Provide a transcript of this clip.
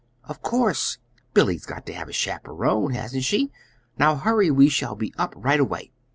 "Of course! Billy's got to have a chaperon; hasn't she? Now hurry. We shall be up right away."